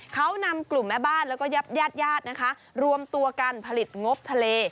เขานำกลุ่มแม่บ้านแล้วก็ญาติญาตินะคะรวมตัวกันผลิตงบทะเล